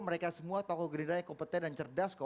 mereka semua tokoh gerindanya kompeten dan cerdas kok